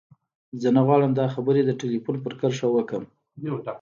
زه نه غواړم دا خبرې د ټليفون پر کرښه وکړم.